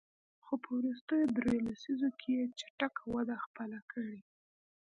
خو په وروستیو دریوو لسیزو کې یې چټکه وده خپله کړې.